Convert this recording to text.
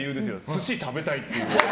寿司食べたいっていう。